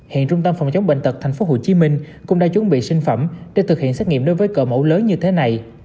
hiện trung tâm phòng chống bệnh tật tp hcm cũng đã chuẩn bị sinh phẩm để thực hiện xét nghiệm đối với cỡ mẫu lớn như thế này